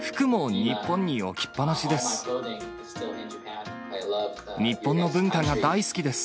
日本の文化が大好きです。